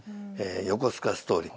「横須賀ストーリー」。